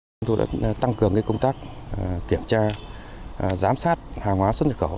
chúng tôi đã tăng cường công tác kiểm tra giám sát hàng hóa xuất nhập khẩu